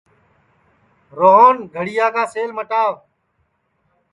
روہن گھڑِیا کا سیل مٹاوَ